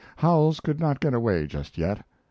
Howells could not get away just yet.